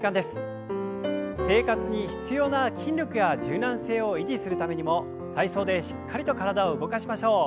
生活に必要な筋力や柔軟性を維持するためにも体操でしっかりと体を動かしましょう。